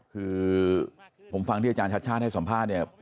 คือผมฟังที่อาจารย์ชาติชาติให้สัมภาษณ์เนี่ย